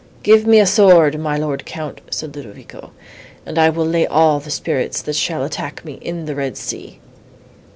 "Give me a sword, my lord Count," said Ludovico, "and I will lay all the spirits, that shall attack me, in the red sea."